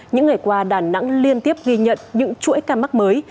những ngày qua đà nẵng liên tiếp ghi nhận những chuỗi ca mắc mới